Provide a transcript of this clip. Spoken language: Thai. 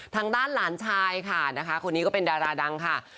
ทางด้านหลานชายค่ะนะคะคนนี้ก็เป็นดาราดังค่ะ